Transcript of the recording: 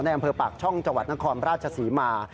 อำเภอปากช่องจังหวัดนครราชศรีมา